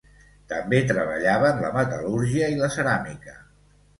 També treballaven la metal·lúrgia i la ceràmica.